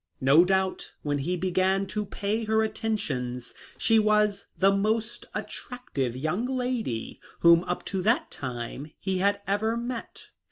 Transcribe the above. No doubt, when he began to pay her attentions she was the most attractive young lady whom up to that time he had ever met.